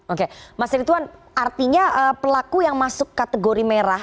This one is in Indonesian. oke mas rituan artinya pelaku yang masuk kategori merah